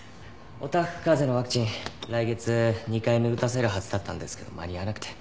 おたふくかぜのワクチン来月２回目打たせるはずだったんですけど間に合わなくて。